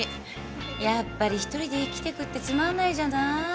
やっぱり一人で生きてくってつまんないじゃない？